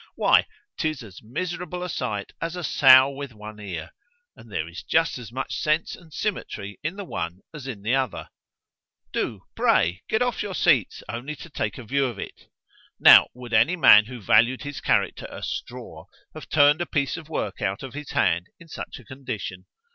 —Why, 'tis as miserable a sight as a sow with one ear; and there is just as much sense and symmetry in the one as in the other:——do——pray, get off your seats only to take a view of it,——Now would any man who valued his character a straw, have turned a piece of work out of his hand in such a condition?